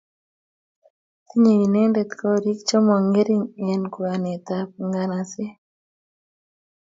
Tinyei inendet korik chemo ngering eng kwenetab nganaset